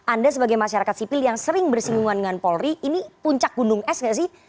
anda sebagai masyarakat sipil yang sering bersinggungan dengan polri ini puncak gunung es nggak sih